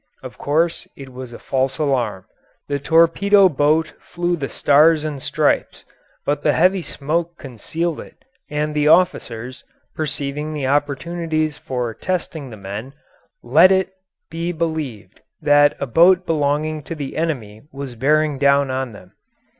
Of course it was a false alarm. The torpedo boat flew the Stars and Stripes, but the heavy smoke concealed it, and the officers, perceiving the opportunities for testing the men, let it be believed that a boat belonging to the enemy was bearing down on them.